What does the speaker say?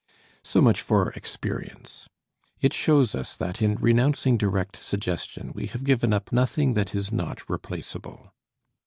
So much for experience. It shows us that in renouncing direct suggestion we have given up nothing that is not replaceable.